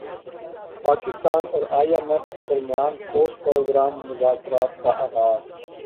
پاکستان اور I M F کے درمیان پوسٹ پروگرام مذاکرات کا اغاز